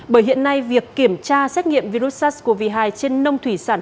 bởi hiện nay việc kiểm tra xét nghiệm virus sars cov hai trên nông thủy sản